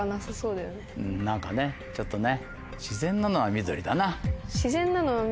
うん何かねちょっとね。